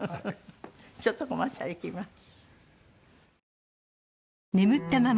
ちょっとコマーシャルいきます。